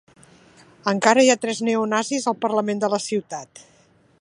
Encara hi ha tres neonazis al parlament de la ciutat.